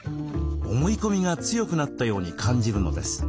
思い込みが強くなったように感じるのです。